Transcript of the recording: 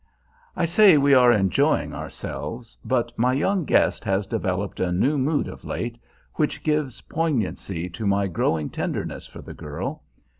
I say we are enjoying ourselves; but my young guest has developed a new mood of late which gives poignancy to my growing tenderness for the girl.